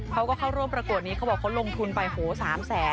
เขาก็เข้าร่วมประกวดนี้เขาบอกเขาลงทุนไปโห๓แสน